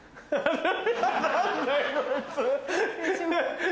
ハハハ！